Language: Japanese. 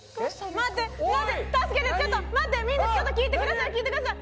待ってみんなちょっと聞いてください聞いてください。